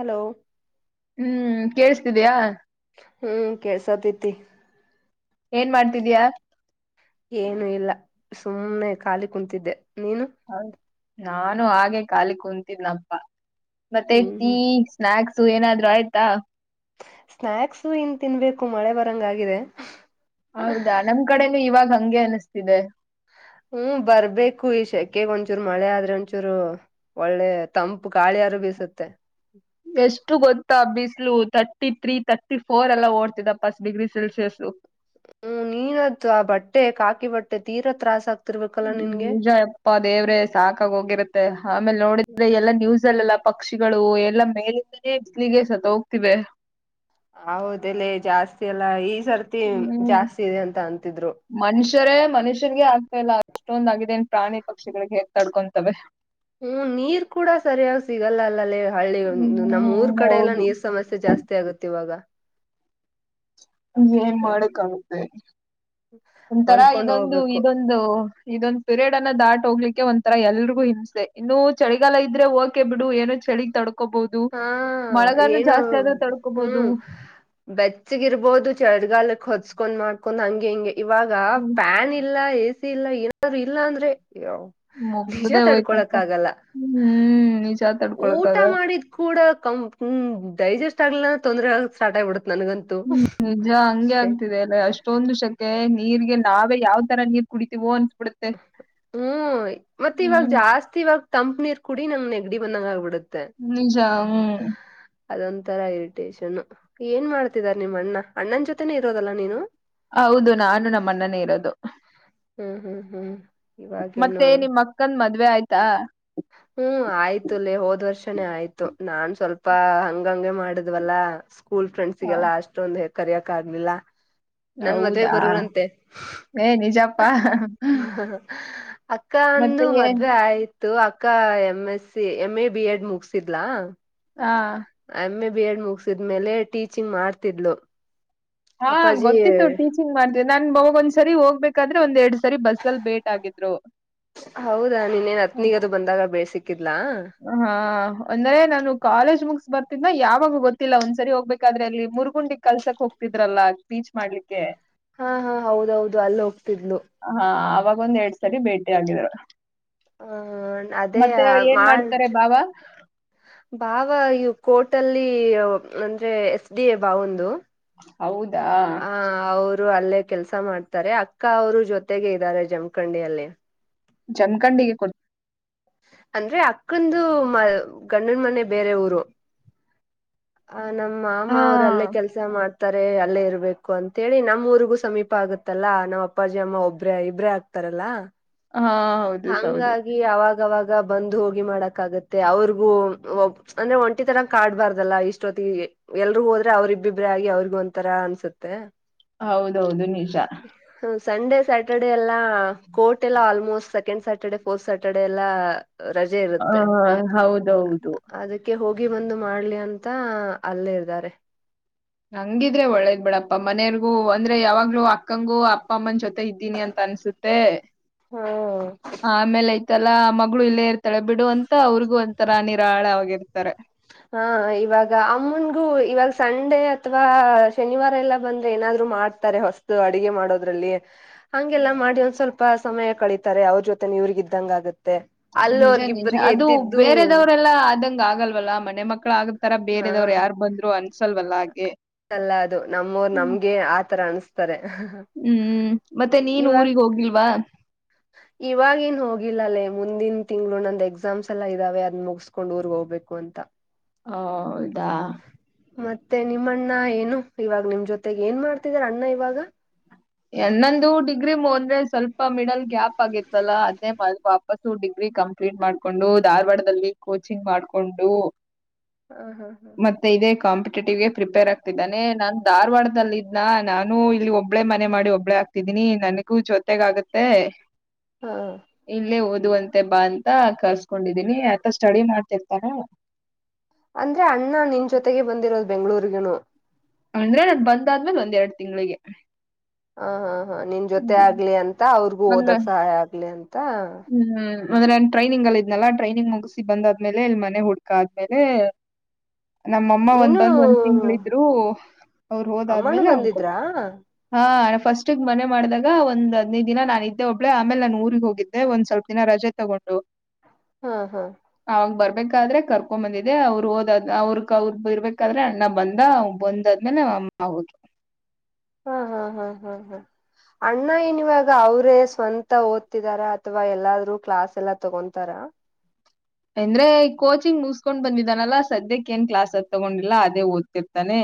Hello ಹ್ಮ್ ಕೇೇಳಸ್ತಿದಯಾ ಹ್ಮ್ ಕೆಲಸಾತ್ಯತಿ ಏನ್ ಮಾಡ್ತಿದಯ ಏನು ಇಲ್ಲ ಸುಮ್ನೆ ಖಾಲಿ ಕುಂತಿದ್ದೆ ನೀನು ಹೌದ ನಾನು ಹಾಗೆ ಕಾಲಿ ಕುಂತಿದ್ನಪ್ಪ ಮತ್ತೆ ಹ್ಮ್ ಟೀ ಹ್ಮ್ ಸ್ನಾಕ್ಸ್ ಏನಾದ್ರು ಆಯ್ತಾ ಸ್ನಾಕ್ಸ್ ಇನ್ ತಿನ್ಬೇಕು ಮಳೆ ಬರಂಗಾಗಿದೆ ಹೌದಾ ನಮ್ ಕಡೆನೂ ಇವಾಗ ಹಂಗೆ ಅನಿಸ್ತಿದೆ ಹ್ಮ್ ಬರ್ಬೇಕು ಈ ಶೆಕೆೆಗೆ ಒಂಚೂರು ಮಳೆ ಆದ್ರೆ ಒಂಚೂರು ಒಳ್ಳೆ ತಂಪು ಗಾಳಿಯಾರು ಬೀಸುತ್ತೆ ಎಷ್ಟು ಗೊತ್ತಾ ಬಿಸಲು ತರ್ಟಿ ಥತ್ರೀ ತರ್ಟಿ ಫೋರ್ ಎಲ್ಲ ಓಡ್ತಿದ ಪಸ್ ಡಿಗ್ರಿ ಸೆಲ್ಸಿಯಸ್ ಹ್ಮ್ ನೀನ್ದು [unintelligible] ಆ ಬಟ್ಟೆ ಕಾಕಿ ಬಟ್ಟೆ ತೀರಾ ತ್ರಾಸ ಆಗ್ತದೆ ನಿಜ ಅಪ್ಪಾ ದೇವ್ರೆ ಸಾಕಾಗಿ ಹೋಗಿರತ್ತೆ ಆಮೇಲೆ ನೋಡಿದ್ರೆ ಎಲ್ಲಾ ನ್ಯೂಸ್ಲ್ಲೆಲ್ಲ ಪಕ್ಷಿಗಳು ಎಲ್ಲಾ ಮೇಲಿಂದೇ [unintelligible] ಇಲಿಗೆ ಸತ್ ಹೋಗ್ತಿವೆ ಹೌದಲ್ಲ ಜಾಸ್ತಿ ಅಲ್ಲಾ ಈ ಸರ್ತಿ ಹ್ಮ್ ಜಾಸ್ತಿ ಇದೆ ಅಂತ ಅಂತಿದ್ರು ಮನುಷ್ಯರೇ ಮನುಷ್ಯನ್ರಿಗೆ ಆಗ್ತಾ ಇಲ್ಲ ಇಷ್ಟೊಂದ ಆಗಾಗಿದೆ ನ್ ಪ್ರಾಣಿ ಪಕ್ಷಿಗಳಿಗೆ ಹೆೇಗ್ತಾಡ್ಕೊಂತವೆ ಹ್ಮ್ ನೀರ್ ಕೂಡ ಸರಿಯಾಗಿ ಸಿಗಲ್ಲ ಅಲ್ಲೇ ಹಳ್ಳಿ ಒಂದು ನಮ್ಮ್ ಊರ್ ಹ್ಮ್ ಕಡೆ ಎಲ್ಲ ಹೌದು ನೀರ್ ಸಮಸ್ಯೆ ಜಾಸ್ತಿ ಆಗುತ್ತೆ ಇವಾಗ ಏನ್ ಮಾಡಕ್ಕಾಗುತ್ತೆ ಒಂಥರ ಹೊಂದ್ಕೊಂಡ್ ಇದೊಂದು ಹೋಗ್ಬೇಕು ಇದೊಂದು ಇದೊಂದ್ ಪಿರಯಡ್ ಅನ್ನ ದಾಟ್ ಹೋಗ್ಲಿಕ್ಕೆ ಒಂಥರ ಎಲ್ರಿಗೂ ಹಿಂಸೆ ಇನ್ನುೂ ಚಳಿಗಾಲ ಇದ್ರೆ ಓಕೆ ಬಿಡು ಏನು ಚಳಿ ತಡ್ಕೋ ಹಾ ಏನು ಆದ್ರೂ ತಡ್ಕೋಬಹುದು ಹ್ಮ್ ಬೆಚ್ಚಗಿರ್ಬೋದು ಚಳಿಗಾಲಕ್ಕೆ ಹೊ [unintelligible] ಕಸ್ಕೊಂಡ್ ಮಾಡ್ಕೊಂಡ್ ಹಂಗೆ ಹಿಂಗೆ ಇವಾಗ ಹ್ಮ್ ಫ್ಯಾನ್ ಇಲ್ಲ ಎ ಸಿ ಇಲ್ಲ ಏನಾದ್ರು ಇಲ್ಲ ಅಂದ್ರೆ ಅಯೋ ನಿಜ ಮುಗ್ದೇ ಹೋಯ್ತಪ್ಪ ತಡ್ಕೊಳಕ್ ಆಗಲ್ಲ ಹ್ಮ್ ನಿಜ ತಡ್ಕೊಳಕ್ ಊಟ ಆಗಲ್ಲ ಮಾಡಿದ್ ಕೂಡ ಡೈಜೆಸ್ಟ್ ಆಗ್ಲಿಲ್ಲ ತೊಂದರೆ ಆಗ ಸ್ಟಾರ್ಟ್ ಆಗ್ಬಡುತ್ತೆ ಹ್ಮ್ ನಿಜ ಹಂಗೆ ಆಗ್ತಿದೆ ಎಲ್ಲ ಅಷ್ಟೊಂದು ಶಕೆ ನೀರ್ಗೆ ನಾವೇ ಯಾವ್ ತರ ನೀರ್ ಕುಡತಿೀವೋ ಹ್ಮ್ ಮತ್ತೆ ಇವಾಗ ಹ್ಮ್ ಜಾಸ್ತಿ ಇವಾಗ ತಂಪ್ ನೀರು ಕುಡಿ ನೆಗಡಿ ಬಂದಂಗ ಅವ ನಿಜ ಹ್ಮ್ ಅದೊಂತರ ಇರಿಟೇಷನ್ ಏನ್ ಮಾಡ್ತಿದಾರ ನಿಮ್ಮ್ ಅಣ್ಣ ಅಣ್ಣನ ಜೊತೆನೆೇ ಇರೋದಲ್ಲ ನೀನು ಹೌದು ನಾನು ನಮ್ಮ ಅಣ್ಣನೇ ಇರೋದು ಹ್ಮ್ ಹ್ಮ್ ಹ್ಮ್ ಇವಾಗೇನು ಮತ್ತೆ ನಿಮ್ ಅಕ್ಕನ್ ಮದ್ವೆ ಆಯ್ತಾ ಹ್ಮ್ ಆಯ್ತುಲ್ಲೇ ಹೋದ್ ವರ್ಷನೇ ಆಯ್ತು ನಾನ್ ಸ್ವಲ್ಪ ಹಂಗಂಗೆ ಮಾಡಿದ್ವಲ್ಲ ಸ್ಕೂಲ್ ಹ ಫ್ರೆಂಡ್ಸಗೆಲ್ಲ ಅಷ್ಟೊಂದ ಹೆ ಕರಿಯಕ ಆಗ್ಲಿಲ್ಲ ನನ್ ಮದ್ವೆ ಹೌದಾ! ಬರರಂತೆ ಏ ನಿಜಪ್ಪಾ ಅಕ್ಕ ಅಂದು ಮತ್ತೆ ಏನ್ ಮದ್ವೆ ಆಯ್ತು ಅಕ್ಕ M S M A B Ed ಮುಗಸಿದ್ಲಾ ಹಾ. ಎಮ್ ಎ ಬಿ ಎಡ್ ಮುಗಸಿದ್ಮೇಲೆ ಟೀಚಿಂಗ್ ಮಾಡ್ತಿದ್ಲು ಹಾ ಅಪ್ಪಾಜಿ ಗೊತ್ತಿತ್ತು ಟೀಚಿಂಗ್ ಮಾಡ್ತೇವಿ ನಾನ್ ಬಾಗ ಒಂದ್ಸರಿ ಹೋಗ್ಬೇಕಾದ್ರೆ ಒಂದ್ ಎರಡ್ ಸರಿ ಬಸ್ ಅಲ್ಲಿ ಭೇಟಗಿದ್ರು ಹೌದಾ ನೀನ್ನೇನ್ ಹತ್ನಿಗ ಅದು ಬಂದಾಗ ಬೇಳ್ ಸಿಕ್ಕಿದ್ಲಾ ಹಾ ಅಂದ್ರ ನಾನು ಕಾಲೇಜ್ ಮುಗಸ್ ಬರ್ ನ್ನ ಯಾವಾಗ ಗೊತ್ತಿಲ್ಲ ಒಂದ್ಸರಿ ಹೋಗ್ಬೇಕಾದ್ರೆ ಅಲ್ಲಿ ಮುರ್ಗುಂಡಿ ಕಲ್ಸಕ್ ಹೋಗ್ತಿದ್ರಲ್ಲ ಬೀಚ್ ಮಾಡ್ಲಿಕ್ಕೆ ಹಾ ಹಾ ಹೌದೌದು ಅಲ್ಲಿ ಹೋಗ್ತಿದ್ಲು ಹಾ ಅವವಾಗ ಒಂದ್ ಎರಡ್ ಸರಿ ಭೇಟಿ ಆಗಿದ್ರು ಹ ಅದೇ ಮತ್ತೆ ಏನ್ ಮಾಡ್ತಾರೆ ಬಾವ ಬಾವ ಇವು ಕೋಟ ಅಲ್ಲಿ ಅಂದ್ರೆ ಎಸ್ ಡಿ ಎ ಬಾವ ಒಂದು ಹೌದಾ ಹ ಅವರು ಅಲ್ಲೇ ಕೆಲ್ಸ ಮಾಡ್ತಾರೆ ಅಕ್ಕ ಅವರು ಜೊತೆಗೆ ಇದ್ದಾರೆ ಜಮಖಂಡಿಯಲ್ಲಿ ಜಮಖಂಡಿಗೆ ಕೊಡ್ ಅಂದ್ರೆ ಅಕ್ಕಂದು ಮ ಗಂಡನ ಮನೆ ಬೇರೆ ಊರು ಆ ನಮ್ಮ ಮಾಮ ಹಾ ಅವರು ಅಲ್ಲೇ ಕೆಲ್ಸ ಮಾಡ್ತಾರೆ ಅಲ್ಲೇ ಇರ್ಬೇಕು ಹಕು ಅಂತೇಳಿ ನಮ್ಮ್ ಊರಿಗೂ ಸಮೀಪ ಆಗತ್ತಲ್ಲಾ ನಮ್ಮ್ ಅಪ್ಪಾಜಿ ಅಮ್ಮ ಒಬ್ರ ಇಬ್ರೇ ಆಗ್ತಾರಲ್ಲಾ ಹಾ ಹೌದು ಸ ಹೌದು ಹಂಗಾಗಿ ಅವಾಗವಾಗ ಗ ಬಂದು ಹೋಗಿ ಮಾಡಕ ಆಗತ್ತೆ ಅವ್ರಿಗೂ ಅಂದ್ರೆ ಒಂಟಿ ತರ ಕಾಡ್ಬಾರ್ದಲ್ಲಾ ಇಷ್ಟೊತ್ತಿಗೆ ಎಲ್ರು ಹೋದ್ರೆ ಅವ್ರ ಇಬ್ಬಿಬ್ರ ಆಗಿ ಅವ್ರಗ ಒಂತರ ಅನ್ಸುತ್ತೆ ಹೌದೌದು ನಿಜ ಸಂಡೇ ಸ್ಯಾಟರ್ಡೆ ಎಲ್ಲಾ ಕೋರ್ಟ್ ಎಲ್ಲ almost second Saturday fourth Saturday ಎಲ್ಲ ರಜೆ ಹ ಇರುತ್ತೆ ಹೌದೌದು ಅದಕ್ಕೆ ಹೋಗಿ ಹಗಿ ಬಂದು ಮಾಡ್ಲಿ ಅಂತ ಅಲ್ಲೇಇದಾರೆ ಹಂಗಿದ್ರೆ ಒಳ್ಳೇದ್ ಬಿಡಪ್ಪ ಮನೆಯರ್ಗೂ ಅಂದ್ರೆ ಯಾವಾಗ್ಲೂ ಅಕ್ಕಂಗೂ ಅಪ್ಪ ಅಮ್ಮನ ಜೊತೆ ಇದ್ದೀನಿ ಅಂತ ಅನ್ಸುತ್ತೆ ಹ್ಮ್ ಆಮೇಲೆ ಮೆಲ್ಲಾ ಮಗಳು ಇಲ್ಲೇ ಇರ್ತಾಳೆ ಬಿಡು ಅಂತ ಅವ್ರಿಗೂ ಒಂಥರ ನಿರಾಳ ಆಗಿರ್ತಾರೆ ಹಾ ಇವಾಗ ಅಮ್ಮನ್ಗೂ ಇವಾಗ ಸಂಡೆ ಅಥವಾ ಶನಿವಾರ ಎಲ್ಲಾ ಬಂದ್ರೆ ಏನಾದ್ರು ಮಾಡ್ತಾರೆ ಹೊಸ್ತು ಅಡಗೆ ಮಾಡೋದ್ರಲ್ಲಿ ಹಂಗೆಲ್ಲಾ ಮಾಡಿ ಒಂದ್ ಸ್ವಲ್ಪ ಸಮಯ ಕಳಿತಾರೆ ಅವ್ರ ಜೊತೆ ನೀವ್ರಿಗ ಇದ್ದಂಗ ಆಗತ್ತೆ ನಿಜ ನಿಜ ಅಲ್ಲೋರ್ಗಿಬ್ಬರಿಗೆ ಅದು ಎದ್ದಿದ್ದು ಬೇರೆದವ್ರಲ್ಲಾ ಆದಂಗ ಆಗಲ್ವಲ್ಲ ಮನೆ ಮಕ್ಳ ಆಗ ತರ ಹಾ ಬೇರೆದವ್ರು ಯಾರ ಬಂದ್ರು ಅ ಅಲ್ಲ ಅದು ನಮ್ಮೂರ್ ನಮ್ಗೆ ಆತರ ಅನ್ಸ್ತಾರೆ ಹ್ಮ್ ಮತ್ತೆ ನೀನ್ ಇವಾಗ ಊರಿಗ್ ಹೋಗಿಲ್ವಾ ಇವಾಗೇನ್ ಹೋಗಿಲ್ಲಲ್ಲೇ ಮುಂದಿನ ತಿಂಗಳು ನಂದ ಎಕ್ಸಾಮ್ಸ್ ಎಲ್ಲ ಇದಾವೆ ಅದ್ ಮುಗಸ್ಕೊಂಡ್ ಊರ್ಗ್ ಹೋಗ್ಬೇಕು ಹು ಅಂತ ಹೌದಾ ಮತ್ತೆ ನಿಮ್ಮಣ್ಣ ಏನು ಇವಾಗ ನಿಮ್ ಜೊತೆಗೆ ಏನ್ ಮಾಡ್ತಿದಾರ ಅಣ್ಣ ಇವಾಗ ಎಣ್ಣಂದು ಡಿಗ್ರಿ ಮುದ್ರೆ ಸ್ವಲ್ಪ ಮಿಡಲ್ ಗ್ಯಾಪ್ ಆಗಿತ್ತಲ್ಲಾ ಅದೇ ಮ ವಾಪಸು ಡಿಗ್ರಿ ಕಂಪ್ಲೀಟ್ ಮಾಡ್ಕೊಂಡು ಧಾರವಾಡದಲ್ಲಿ ಕೋಚಿಂಗ್ ಮಾಡ್ಕೊಂಡು ಹಾ ಹಾ ಹಾ ಹಾ ಟಿ ಪ್ರಿಪೇರ್ ಆಗ್ತಿದ್ದಾನೆ ನಾನನ್ ಧಾರವಾಡದದಲ್ಲಿ ಇದನ ನಾನು ಇಲ್ಲಿ ಒಬ್ಬಳೆ ಮನೆ ಮಾಡಿ ಒಬ್ಬಳೆ ಹಕ್ತಿದೀನಿ ನನಗೂ ಜೊತೆಗ ಆಗುತ್ತೆ ಹಾ ಹಾ ಇಲ್ಲೇ ಹ ಅದು ಅಂತೆ ಬಾ ಅಂತ ಕರ್ಸ್ಕೊಂಡಿದೀನಿ ಆಯತ ಸ್ಟಡಿ ಮಾಡ್ತಿರ್ತಾರ ಅಂದ್ರೆ ಅಣ್ಣ ನಿನ್ ಜೊತೆಗೆ ಬಂದಿರೋದು ಬೆಂಗ್ಗಳೂರ್ಗನು ಅಂದ್ರೆ ನನ್ ಬಂದಾದ್ಮೇಲೆ ಒಂದ್ ಎರಡ್ ತಿಂಳಿಗೆ ಹ ಹಾ ಹಾ ನಿನ್ ಜೊತೆ ಆಗ್ಲಿ ಅಂತ ಅವ್ರಿಗೂ ಅಂದ್ರೆ ಓದಕ್ ಸಹಾಯ ಆಗ್ಲಿ ಅಂತ ಹ್ಮ್ ಅಂದ್ರೆ ನಾನನ್ ಟ್ರೈನಿಂಗ್ ಅಲ್ಲಿ ಇದ್ನಲ್ಲ ಟ್ರೈನಿಂಗ್ ಮುಗಿಸಿ ಬಂದಾದ್ಮೇಲೆ ಇಲ್ಲಿ ಮನೆ ಹುಡ್ಕ ಆದ್ಮೇಲೆ ನಮ್ಮಮ್ಮ ಒಂದ್ ನೀನು ಬಂದ್ ಒಂದ್ ತಿಂಗ್ಳಿದ್ರು ಅವರು ಅಮ್ಮನು ಹೋದಾದ್ಮೇಲೆ ಅವನ್ಕೊ ಬಂದಿದ್ರಾ ಹಾ ಫಸ್ಟ್ ಮ ಮಾಡಿದಾಗ ಒಂದ್ ಹದನೈದು ದಿನ ನಾನು ಇದ್ದೆ ಒಬ್ಳೇ ಆಮೇಲೆ ನಾನನ್ ಊರಿಗೆ ಹೋಗಿದ್ದೆ ಒಂದ್ ಸ್ವಲ್ಪ ದಿನ ರಜೆ ತಗೊಂಡು ಹಾ ಹಾ ಬೇಕಾದರೆ ಕರ್ಕೊಂಡ ಬಂದಿದೆ ಅವ್ರು ಓದ್ ಅವ್ರ ಅವ್ರ ಇರ್ಬೇಕಾದ್ರೆ ಅಣ್ಣ ಬಂದ ಬಂದಾದ್ಮೇಲೆ ಹಮ್ಮ ಹೌದು ಹಾ ಹಾ ಹ್ಮ ಹ್ಮ್ ಹ್ಮ್ ಹ್ಮ್ ಅಣ್ಣ ಏನಿವಾಗ ಅವ್ರೇ ಸ್ವಂತ ಓದ್ತಿದಾರ ಅಥವಾ ಎಲ್ಲಾದ್ರೂ ಕ್ಲಾಸ್ ಎಲ್ಲಾ ತಗೊಂತಾರ ಅಂದ್ರೆ ಕೋಚಿಂಗ್ ಮುಸ್ಕೊಂಡ್ ಬಂದಿದ್ದಾನಲ್ಲಾ ಸದ್ಯಕ್ಕೆ ಏನ್ ಕ್ಲಾಸ್ದ ತಗೊಂಡಿಲ್ಲ ಅದೇ ಓದ್ತಿರ್ತಾನೆ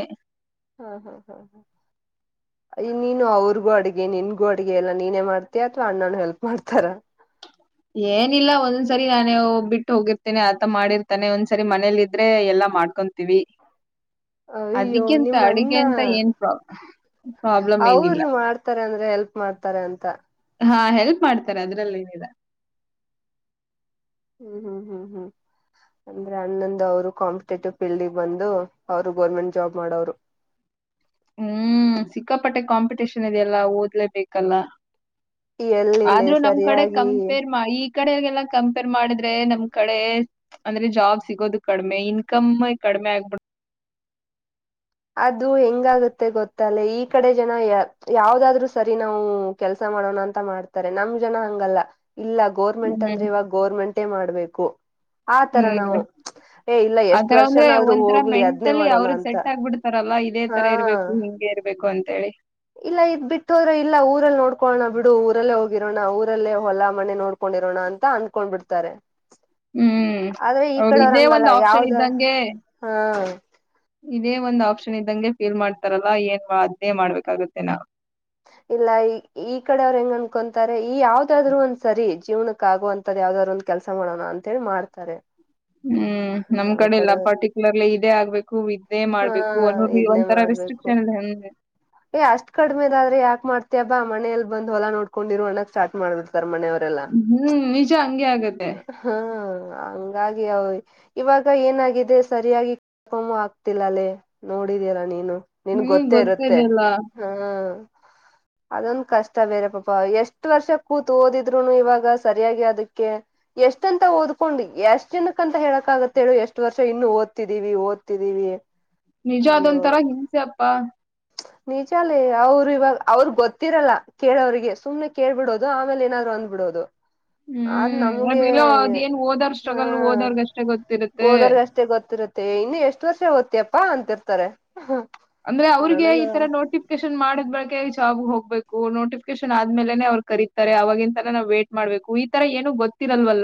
ಹಾ ಹಾ ಹಾ ಹಾ ನೀನು ಅವ್ರಗೂ ಅಡ್ಗೆ ನಿನ್ಗೂ ಅಡ್ಗೆ ಎಲ್ಲ ನೀನೇ ಮಾಡ್ತ ಅಥವಾ ಅಣ್ಣನ ಹೆಲ್ಪ್ ಮಾಡ್ತಾರ [inaudible] ಏನಿಲ್ಲ ಒಂದ್ಸರಿ ನಾನೇ ಬಿಟ್ಟು ಹೋಗಿರ್ತೇನೆ ಆತ ಮಾಡಿರ್ತಾನೆ ಒಂದ್ಸರಿ ಮನೇಲಿ ಇದ್ರೆ ಎಲ್ಲಾ ಮಾಡ್ಕೊಂತೀವಿ [unintelligible] ಅಯ್ಯೋ ಅದಿಕ್ಕಿಂತ ನಿಮ್ಮ ಅಣ್ಣ ಅಡಿಗೆ ಅಂತ ಏನ್ ಪ್ರಾ ಪ್ರಾಬ್ಲಮ್ ಏನಿಲ್ಲ ಅವರು ಮಾಡ್ತಾರ ಅಂದ್ರೆ ಹೆಲ್ಪ್ ಮಾಡ್ತಾರೆ ಅಂತ ಹಾ ಹೆಲ್ಪ್ ಮಾಡ್ತಾರೆ ಅದ್ರಲ್ಲಿ ಏನಿದೆ ಹ್ಮ್ ಹ್ಮ್ ಹ್ಮ್ ಹ್ಮ್ ಅಂದ್ರೆ ಅಣ್ಣಂದ ಅವರು ಕಾಂಪಿಟೇಟಿವ್ ಫೀಲ್ಡಗೆ ಬಂದು ಅವರು ಗೋರ್ಮೆಂಟ್ ಜಾಬ್ ಮಾಡೋರು [unintelligible] ಹ್ಮ್ ಸಿಕ್ಕಾಪಟ್ಟೆ ಕಾಂಪಿಟೇಷನ್ ಇದೆಯಲ್ಲಾ ಓದ್ಲೇಬೇಕಲ್ಲ ಎಲ್ಲಿಲ್ಲ ಆದ್ರೂ ನಮ್ ಕಡೆ ಸರಿಯಾಗಿ ಕಂಪೇರ್ ಮಾಡಿ ಕಡೆಲ್ಲ ಕಂಪೇರ್ ಮಾಡಿದ್ರೆ ನಮ್ ಕಡೆ ಅಂದ್ರೆ ಜಾಬ್ ಸಿಗೋದು ಕಡಿಮೆ ಇನ್ಕಮ್ ಕ ಮ ಅದು ಹೆಂಗಾಗತ್ತೆ ಗೊತ್ತಲ್ಲೆ ಈ ಕಡೆ ಜನ ಯ ಯಾವದಾದ್ರರು ಸರಿ ನಾವು ಕೆಲ್ಸ ಮಾಡೋಣ ಅಂತ ಮಾಡ್ತಾರೆ ನಮ್ ಜನ ಹಂಗಲ್ಲ ಇಲ್ಲ ಗೋರ್ಮೆಂಟ್ ಹ್ಮ್ ಅಂದ್ರೆ ಇವಾಗ ಗೋರ್ಮೆಂಟೇ ಮಾಡ್ಬೇಕು ಆತರ ಹ್ಮ್ ನಾವು ಏ ಇಲ್ಲ ಎಷ್ಟ್ ಆತರ ಅಂದ್ರೆ ವರ್ಷನಾದ್ರರು ಹೋಗ್ಲಿ ಅದ್ನೇ ಮಾಡೋಣ ಅಂತ ತರಲ್ಲ ಇದೇ ಹಾ ತರ ಇರ್ಬೇಕು ಹಿಂಗೆ ಇರ್ಬೇಕು ಅಂತೇಳಿ ಇಲ್ಲ ಇದ್ ಬಿಟ್ಟು ಹೋರೆ ಇಲ್ಲ ಊರಲ್ಲಿ ನೋಡ್ಕೊಳ್ಳೋಣ ಬಿಡು ಊರಲ್ಲೇ ಹೋಗ ಆಗಿರೋಣ ಊರಲ್ಲೇ ಹೊಲಾ ಮನೆ ನೋಡ್ಕೊಂಡಿರೋಣ ಅಂತ ಅನ್ಕೊಂಡ್ ಬಿಡ್ತಾರೆ ಹ್ಮ್ ಆದ್ರೆ ಈ ಅವ್ರು ಇದೇ ಒಂದ್ ಕಡೆವರಂಗಲ್ಲ ಆಪ್ಷನ್ ಯಾವ್ದ ಇದ್ದಂಗೆ ಹಾ ಇದೇ ಒಂದ್ ಆಪ್ಷನ್ ಇದ್ದಂಗೆ ಫೀಲ್ ಮಾಡ್ತಾರಲ್ಲ ಏನ್ ಅದ್ದೇ ಮಾಡ್ಬೇಕಾಗತ್ತೆ ನಾ ಇಲ್ಲ ಈ ಈ ಕಡೆ ಅವ್ರ ಹೆಂಗ ಅನ್ಕೊಂತಾರೆ ಈ ಯಾವ್ದಾದ್ರು ಒಂದ್ ಸರಿ ಜೀವನಕ್ಕೆ ಆಗುವಂತದ್ ಯಾವ್ದಾದ್ರು ಒಂದ್ ಕೆಲಸ ಮಾಡೋಣ ಅಂತೇಳಿ ಮಾಡ್ತಾರೆ ಹ್ಮ್ ನಮ್ ಕಡೆ ಎಲ್ಲ ಪರ್ಟಿಕ್ಯುಲರ್ಲಿ ಇದೇ ಆಗ್ಬೇಕು ಇದೇ ಹಾ ಮಾಡ್ಬೇಕು ಇದ್ನೇ ಒಂತರಾ ಮಾಡ್ಬೇಕು [unintelligible] ಏ ಅಷ್ಟ್ ಕಡಿಮೆದ ಆದ್ರೆ ಯಾಕ್ ಮಾಡತತಿಯಬಾ ಮನೇಲ್ ಬಂದ್ ಹೊಲ ನೋಡ್ಕೊಂಡಿರೋ ಅಣಕ್ ಸ್ಟಾರ್ ಮಾಡ್ಬೇಕು. ಕರಮನ ಅವರೆಲ್ಲ. ಹ್ಮ್ ನಿಜ ಹಂಗೆ ಆಗತ್ತೆ ಹಂಗಾಗಿ ಅವ ಇವಾಗ ಏನಾಗಿದೆ ಸರಿಯಾಗಿ ಕಕೊ ಆಗ್ತಿಲ್ಲ ಅಲ್ಲೇ ನೋಡಿ. [unintelligible] ನೀನು ನಿನ್ ಹ್ಮ್ ಗೊತ್ತೇ ಇರುತ್ತೆ ಗೊತ್ತಿದೆಲ್ಲ ಹ್ಮ. ಅದೊಂದ ಕಷ್ಟ ಬೇರೆ ಪಾಪ ಎಷ್ಟ್ ವರ್ಷ ಕೂತು ಓದಿದ್ರುನು ಇವಾಗ ಸರಿಯಾಗಿ ಅದಕ್ಕೆ ಎಷ್ಟ ಅಂತ ಓದ್ಕೊಂಡ್ ಎಷ್ಟ್ ಜನಕ್ಕ ಅಂತ ಹೇಳಕ್ ಆಾಗತ್ತೆ ಹೇಳು ಎಷ್ಟ್ ವರ್ಷ ಇನ್ನು ಓದ್ತಿದೀವಿ ಓದ್ತಿದೀವಿ ನಿಜ ಅದೊಂ ತರ ಹಿಂಗಸೆಪ್ಪಾ ನಿಜಲ್ಲಿ ಅವರು ಇವಾಗ ಅವ್ರಗ್ ಗೊತ್ತಿರಲ್ಲ ಕೇಳೋಗೆ ಸುಮನೆ ಕೇಳ್ಬಿಡೋದು ಆಮೇಲೆ ಏನಾದ್ರು ಅಂದ್ಬಿಡೋದು [inaudible] ಆದ್ ಹ್ಮ್ ನಮ್ಗೆ ಅದೆಲ್ಲ ಅದೇನ್ ಓದೋರ್ ಸ್ಟ್ರಗಲ್ ಓದೋರ್ಗಷ್ಟೇ ಗೊತ್ತಿರುತ್ತೆ ಹ ದರ್ ಅಷ್ಟೇ ಗೊತ್ತಿರುತ್ತೆ ಇನ್ನು ಎಷ್ಟ್ ವರ್ಷ ಹಓ್ತಿಯಪ್ಪಾ ಅಂತಿರ್ತಾರೆ ಅಂದ್ರೆ ಅವ್ರಿಗೆ ನನಗ ಈ ತರ ನೋಟಿಫಿಕೇಶನ್ ಮಾಡಿದ್ ಬಳಕ ಜಾಬ್ ಹೋಗ್ಬೇಕು ನೋಟಿಫಿಕೇಶನ್ ಆದ್ಮೇಲೆನೆ ಅವ್ರು ಕರೀತಾರೆ ಅವವಾಗಿಾಗಿಂತಲ ನಾವು ವೇಟ್ ಮಾಡ್ಬೇಕು ಈ ತರ ಏನನು ಗೊತ್ತಿರಲ್ವಲ್ಲ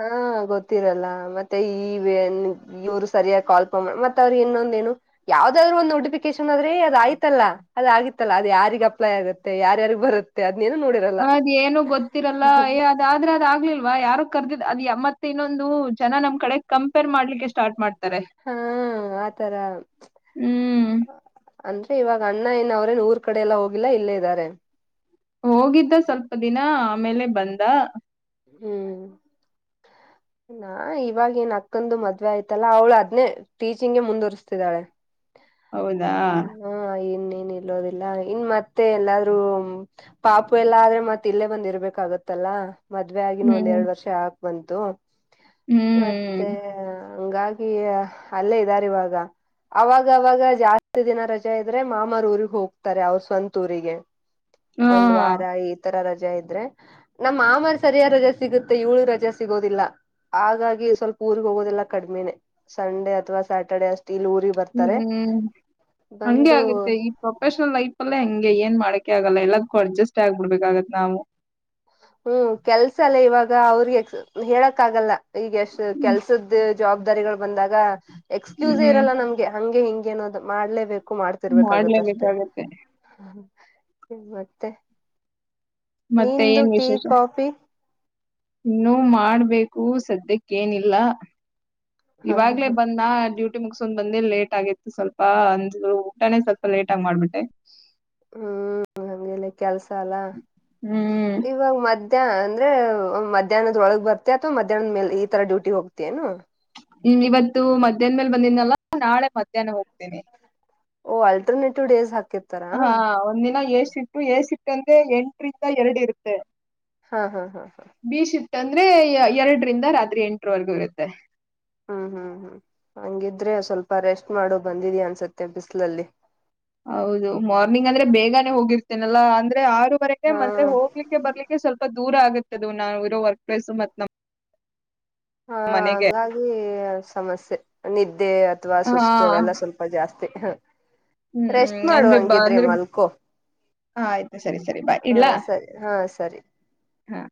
ಹಾ ಗೊತ್ತಿರಲ್ಲ ಮತ್ತೆ ಈವನ್ ಇವ್ರು ಸರಿಯಾಗಿ ಕಾಲ್ಪ ಮತ್ತ ಅವ್ರು ಇನ್ನೊಂದ ಏನು ಯಾವ್ದಾದ್ರು ಒಂದು ನೋಟಿಫಿಕೇಶನ್ ಆದ್ರೆ ಅದ ಆಯ್ತಲ್ಲಾ ಅದಗಿತ್ತಲ್ಲಾ ಅದು ಯಾರಿಿಗೆ ಅಪ್ಲೈ ಆಗುತ್ತೆ ಯಾರ್ಯಾರಿಗೆ ಬರುತ್ತೆ ಅದ್ನೇನು ನೋಡಿರಲ್ಲ ಅದ್ ಏನು ಗೊತ್ತಿರಲ್ಲ ಅದ ಆದ್ರೆ ಅದ್ ಆಗ್ಲಿಲ್ವಾ ಯಾರ. ಕರ್ದಿದ್ ಅದು ಎಮ್ಮತ್ ಇನ್ನೊಂದು ಜನ ನಮ್ ಕಡೆ ಕಂಪೇರ್ ಮಾಡ್ಲಿಕ್ಕೆ ಸ್ಟಾರ್ಟ್ ಮಾಡ್ತಾರೆ. ಹಾ ಆತರ ಹ್ಮ್ ಅಂದ್ರೆ ಇವಾಗ ಅಣ್ಣ ಏನ ಅವ್ರೇನ್ ಊರ್ ಕಡೆ ಎಲ್ಲ ಹೋಗಿಲ್ಲಾ ಇಲ್ಲೇ ಇದ್ದಾರೆ. ಹೋಗಿದ್ದ ಸ್ವಲ್ಪ ದಿನ ಆಮೇಲೆ ಬಂದ. ಹ್ಮ್. ನಾ ಇವಾಗ ಏನ್ ಅಕ್ಕಂದು ಮದ್ವೆ ಆಯ್ತಲ್ಲಾ ಅವ್ಳು ಅದ್ನೇ ಟೀಚಿಂಗಗೆ ಮುಂದುವರಿಸಸ್ತಿದ್ದಾಳೆ. ಹೌದಾ ಹಾನ್ನ ಇನ್ ಇಲ್ಲೋದಿಲ್ಲ ಇನ್ ಮತ್ತೆ ಎಲ್ಲಾದ್ೂ ಪಾಪು ಎಲ್ಲ ಆದ್ರೆ ಮತ್ತ ಇಲ್ಲೇ ಬಂದ್ ಇರ್ಬೇಕಾಗತ್ತಲ್ಲ. ಮದ್ವೆ ಆಗಿನ ಒಂದ್ ಹ್ಮ್ ಎರಡ್ ವರ್ಷ ಹಾಕ್ ಬಂತು ಹ್ಮ್ ಮತ್ತೆ. ಹಂಗಾಗಿ ಅಲ್ಲೇ ಇದ್ದಾರೆ ಇವಾಗ. ಅವಾಗವಾಗ ಜಾಸ್ತಿ ದಿನ ರಜೆ ಇದ್ರೆ ಮಾಮರ ಊಗ್ ಹೋಗ್ತಾರೆ ಅವ್ರ ಸ್ವಂತ ಊರಿಗೆ. ಹಾ ಒಂದು್ ವಾರ ಈ ತರ ರಜೆ ಇದ್ರೆ ನಮ್ಮ ಆಮರ್. ಸರಿಯ ರಜೆ ಸಿಗುತ್ತೆ ಇವಳು ರಜಾ ಸಿಗೋದಿಲ್ಲ. ಹಾಗಾಗಿ ಸ್ವಲ್ಪ ಊರ್ರಿಗೆ ಹೋಗೋದೆಲ್ಲ ಕಡಿ್ಮಿನೇ ಸಂಡೇ ಅಥವಾ ಸ್ಯಾಟರ್ಡೆ ಅಷ್ಟೆ. ಹ್ಮ್ ಹಗೆ ಬಂದು ಆಗತ್ತೆ ಈ ಪ್ರೊಫೆಷನಲ್ ಲೈಫಲ್ಲೇ ಹಂಗೆ ಏನ್ ಮಾಡಕ್. ಆಗಲ್ಲ ಎಲ್ಲದಕ್ಕೂ ಅಡ್ಜಸ್ಟ್ ಆಗ್ಬಿಡ್ಬೇಕಾಗತ್ತತ್ ನಾವು. ಹ್ಮ್ ಕೆಲ್ಸ ಅಲ್ಲ ಇವಾಗ ಅವ್ರಿಗೆ ಹೇಳಕ್ ಆಗಲ್ಲ ಈಗ ಎಷ್ಟು ಕೆಲ್ಸದ್ದ ಜವಾಬ್ದಾರಿಗಳು. ಬಂದಾಗ ಎಕ್ಸ್ಕ್ಯೂಸ್ ಹ್ಮ್ ಇರಲ್ಲ ನಮ್ಗೆ ಹಂಗೆ ಹಿಂಗೆ ಅನ್ನೋದು ಮಾಡ್ಲೇಬೇಕು. ಕಕ್ಕು ಮಾಡ್ತಿರ್ಬೇಕಾಗತ್ತ ಅಷ್ಟೆ ಮಾಡ್ಲೇಬೇಕಾಗತ್ತೆ ಮತ್ತೆ. ಮತ್ತೆ ನಿಂದು ಏನ್. Tea coffee. ಇನ್ನುೂ ಮಾಡ್ಬೇಕು ಸದ್ಯಕ್ಕೇನಿಲ್ಲ. ಹ ಇವಾಗ್ಲೇ ಬಂದ ಡ್ಯೂಟಿ. ಟ್ಟಿ ಮುಗಸೊಂಡ್ ಬಂದ ಲೇಟ್ ಆಗಿತ್ತು ಸ್ವಲ್ಪ ಅಂದ ಊಟಾನೇ ಸ್ವಲ್ಪ ಲೇಟ್ ಆಗಿ ಮಾಡ್ಬಿಟ್ಟೆ. ಹ್ಮ್ ಹಂಗೇಲೆ ಕೆಲ್ಸ ಅಲ್ಲ ಹ್ಮ್ ಇವಾಗ ಮದ. ಮಧ್ಯಾ್ ಅಂದ್ರೆ ಮಧ್ಯಾಹ್ನದೊಳಗ್ ಬರ್ತೆ ಅಥವಾ ಮಧ್ಯಾಹ್ನದ ಮೇಲೆ ಈ ತರ ಡ್ಯೂಟಿ ಹೋಗ್ತ ಏನು. ಹ್ಮ ಇವತ್ತು ಮಧ್ಯಾಹ್ ಮೇಲೆ ಬಂದಿದನಲ್ಲ ನಾಳೆ ಮಧ್ಯಾಹ್ನ ಹೋಗ್ತೇನೆಿ. ಓ ಆಲ್ಟರ್ನೇಟಿವ್ ಡೇಸ್ ಹಾತ. ಹಾ ಒಂದಿನ ಎ ಸಿಟ್ಟು ಎ ಸಿಿಟ್ಟ ಅಂದ್ರೆ ಎಂಟರಿಂದ ಎರಡು ಇರುತ್ತೆ. ಹಾ ಹಾ ಹಾ ಹಾ. ಂದ್ರೆ ಎರಡರಿಂದ ರಾತ್ರಿ ಎಂಟರವರೆಗೂ ಇರುತ್ತೆ. ಹ್ಮ್ ಹ್ಮ್ ಹ್ಮ್ ಹಂಗಿದ್ರೆ ಸ್ವಲ್ಪ ರೆಸ್ಟ್ ಮಾಡು ಬಂದಿದಿ ಅನ್ಸತ್ತೆ ಬಿಸಿಲಲ್ಲಿ. ಹೌದು ಮಾರ್ನಿಂಗ್ ಅಂದ್ರೆ ಬೇಗಾನನೆ ಹೋಗಿರ್ತೇನಲ್ಲಾ ಅಂದ್ರೆ ಆ ವರೆಗೆ ಹಾ ಅಂದ್ರೆ ಹೋಗ್ಲಿಕ್ಕೆ ಬರ್ಲಿಕ್ಕೆ ಸ್ವಲ್ಪ ದೂರ ಆಗುತ್ತದ ನಾವು ಇರೋ ವರ್ಕ್ ಪ್ಲೇಸ್ ಮತ್ ನಮ್ಮ ಹಾ ಹಂಗಾಗಿ ಸಮಸ್ಯೆ ನಿದ್ದೆ ಅಥವಾ ಸುಸ್ತು ಅವೆಲ್ಲ ಸ್ವಲ್ಪ ಜಾಸ್ತಿ ಮ ಹ ಹ್ಮ್ ಹ್ಮ್ ಅಂದ್ರೆ ಬ ಅಂದ್ರೆ ಮಲ್ಕೋ ಹ ಆಯ್ತು ಸರಿ ಸರಿ ಬಾ ಹಾ ಇಡ್ಲಾ ಸರಿ ಹಾ ಸರಿ ಹಾ